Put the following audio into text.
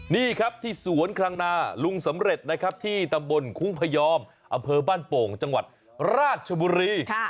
นี่ครับที่สวนคลังนาลุงสำเร็จนะครับที่ตำบลคุ้งพยอมอำเภอบ้านโป่งจังหวัดราชบุรี